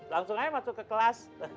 langsung aja masuk ke kelas